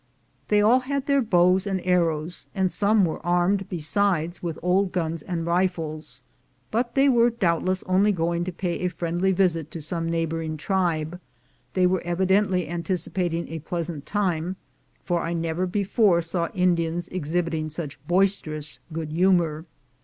They all had their bows and arrows, and some were armed besides with old guns and rifles, but they were doubtless only going to pay a friendly visit to some neighboring tribe. They were evidently anticipating a pleasant time, for I never before saw Indians exhibit ing such boisterous good humor.